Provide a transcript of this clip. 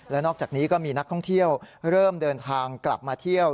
และนอกจากนี้ก็มีนักท่องเที่ยวเริ่มเดินทางกลับมาเที่ยว